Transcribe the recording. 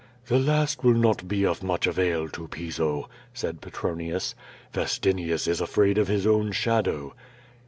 "The last will not be of much avail to Piso," said Petro nius. ^^estinius is afraid of his own shadow."